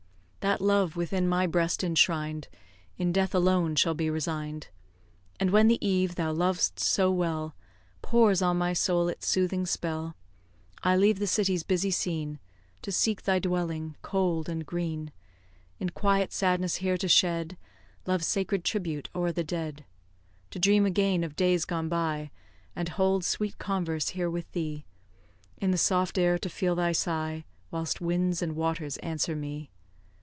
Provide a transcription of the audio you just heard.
That love within my breast enshrined, In death alone shall be resign'd; And when the eve, thou lovest so well, Pours on my soul its soothing spell, I leave the city's busy scene To seek thy dwelling, cold and green, In quiet sadness here to shed Love's sacred tribute o'er the dead To dream again of days gone by, And hold sweet converse here with thee; In the soft air to feel thy sigh, Whilst winds and waters answer me.